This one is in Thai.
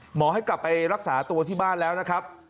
หมอให้กลับไปรักษาตัวที่บ้านแล้วนะครับ